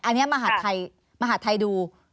อันนี้มหาดไทยดู